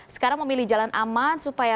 sekarang memilih jalan aman supaya